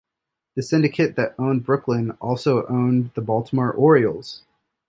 The syndicate that owned Brooklyn also owned the Baltimore Orioles.